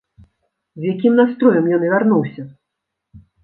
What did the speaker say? З якім настроем ён вярнуўся?